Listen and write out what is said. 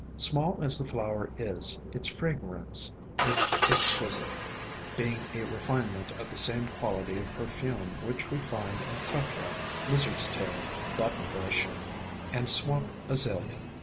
Small as the flower is, its fragrance is exquisite, being a refinement of the same quality of perfume which we find in Clethra, Lizard's Tail, Buttonbush and Swamp Azalea.